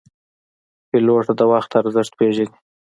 پیلوټ د وخت ارزښت پېژني.